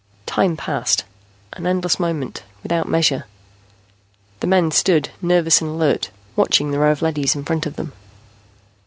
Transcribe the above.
Time passed, an endless moment, without measure. The men stood, nervous and alert, watching the row of leadys in front of them.